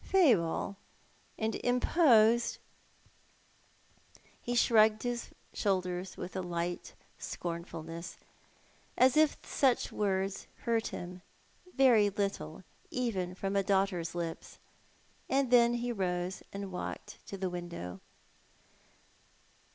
" Fable and imposed !" He shrugged his shoulders with a light scornfulncss, as if such words hurt him very little, even from a daughter's lips ; and then he rose, and walked to the window.